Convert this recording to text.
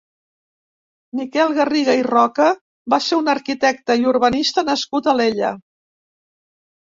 Miquel Garriga i Roca va ser un arquitecte i urbanista nascut a Alella.